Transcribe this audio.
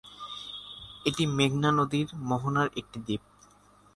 এটি মেঘনা নদীর মোহনার একটি দ্বীপ।